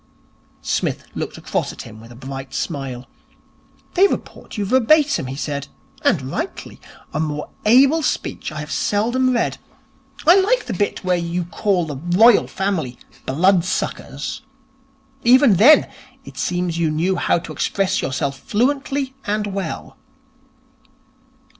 Psmith looked across at him with a bright smile. 'They report you verbatim,' he said. 'And rightly. A more able speech I have seldom read. I like the bit where you call the Royal Family "blood suckers". Even then, it seems you knew how to express yourself fluently and well.'